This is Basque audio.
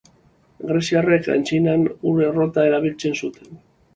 Greziarrek aintzinan ur-errota erabiltzen zuten.